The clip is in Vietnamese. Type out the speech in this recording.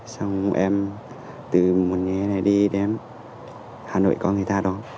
xong em từ một ngày này đi đến hà nội có người ta đó